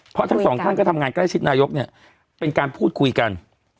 เพราะทั้งสองท่านก็ทำงานใกล้ชิดนายกเนี่ยเป็นการพูดคุยกัน